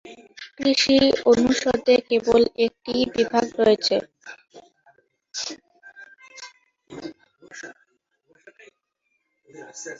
কৃষি অনুষদে কেবল একটিই বিভাগ রয়েছে।